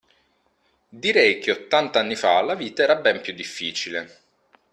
Direi che ottanta anni fa la vita era ben più difficile.